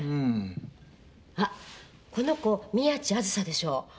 あっこの子宮地あずさでしょ？